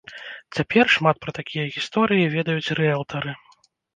Цяпер шмат пра такія гісторыі ведаюць рыэлтары.